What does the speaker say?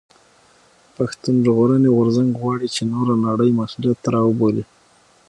پښتون ژغورني غورځنګ غواړي چې نوره نړۍ مسؤليت ته راوبولي.